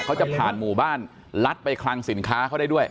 เขาจะผ่านหมู่บ้านลัดไปคลังสินค้าเขาได้ด้วย